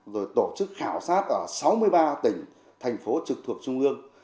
rồi tổ chức khảo sát ở sáu mươi ba tỉnh thành phố trực thuộc trung ương